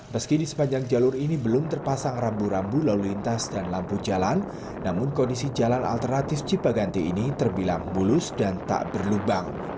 meski di sepanjang jalur ini belum terpasang rambu rambu lalu lintas dan lampu jalan namun kondisi jalan alternatif cipaganti ini terbilang mulus dan tak berlubang